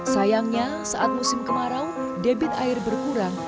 sayangnya saat musim kemarau debit air berkurang